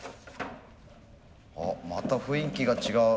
あまた雰囲気が違う。